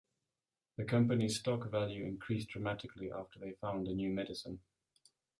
The company's stock value increased dramatically after they found a new medicine.